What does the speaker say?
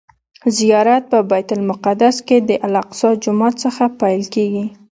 زیارت په بیت المقدس کې د الاقصی جومات څخه پیل کیږي.